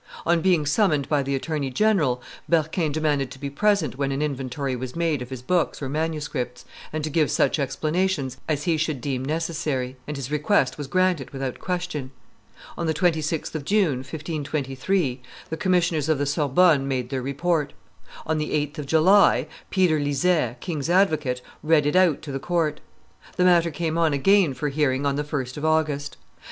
On being summoned by the attorney general, Berquin demanded to be present when an inventory was made of his books or manuscripts, and to give such explanations as he should deem necessary; and his request was granted without question. On the 26th of June, 1523, the commissioners of the Sorbonne made their report. On the 8th of July, Peter Lizet, king's advocate, read it out to the court. The matter came on again for hearing on the 1st of August.